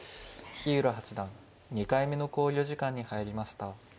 日浦八段２回目の考慮時間に入りました。